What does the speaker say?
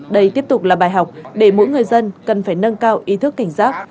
đây tiếp tục là bài học để mỗi người dân cần phải nâng cao ý thức cảnh giác